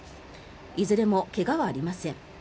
いずれも怪我はありません。